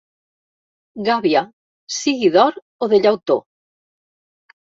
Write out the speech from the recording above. Gàbia, sigui d'or o de llautó.